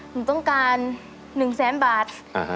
หนึ่งต้องการ๑๐๐๐บาท